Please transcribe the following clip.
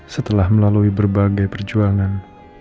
setelah melalui berbagai perjuangan